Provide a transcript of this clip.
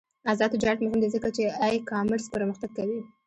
آزاد تجارت مهم دی ځکه چې ای کامرس پرمختګ کوي.